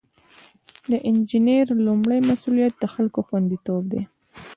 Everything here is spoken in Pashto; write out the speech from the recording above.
د انجینر لومړی مسؤلیت د خلکو خوندیتوب دی.